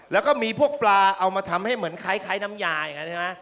แล้วก็มีพวกปลาเอามาทำให้เหมือนคล้ายน้ำยาอย่างนั้นใช่ไหม